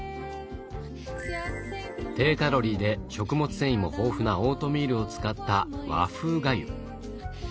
低カロリーで食物繊維も豊富なオートミールを使った和風がゆ。